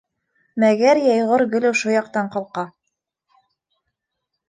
Мәгәр йәйғор гел ошо яҡтан ҡалҡа.